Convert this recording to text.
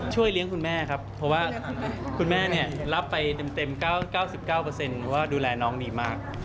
เลี้ยงคุณแม่ครับเพราะว่าคุณแม่รับไปเต็ม๙๙ว่าดูแลน้องดีมาก